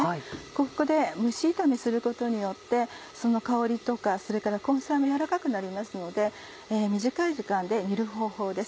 ここで蒸し炒めすることによってその香りとかそれから根菜もやわらかくなりますので短い時間で煮る方法です。